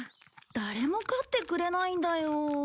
誰も飼ってくれないんだよ。